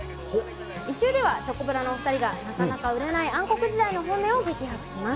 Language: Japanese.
１周ではチョコプラのお２人が、なかなか売れない暗黒時代の本音を激白します。